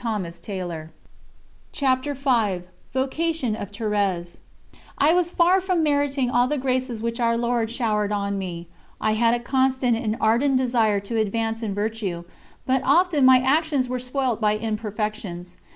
______________________________ CHAPTER V VOCATION OF THÉRÈSE I was far from meriting all the graces which Our Lord showered on me. I had a constant and ardent desire to advance in virtue, but often my actions were spoilt by imperfections.